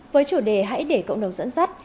với chủ đề hãy để cộng đồng dẫn dắt